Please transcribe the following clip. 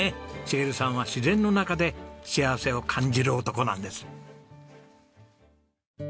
茂さんは自然の中で幸せを感じる男なんです。